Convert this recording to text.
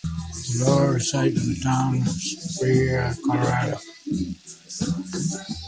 Balboa resides in the town of Superior, Colorado.